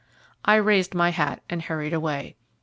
I raised my hat and hurried away.